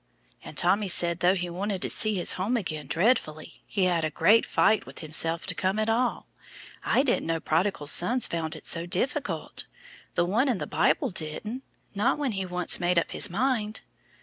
"And Tommy said, though he wanted to see his home again dreadfully, he had a great fight with himself to come at all. I didn't know prodigal sons found it so difficult the one in the Bible didn't, not when he once made up his mind.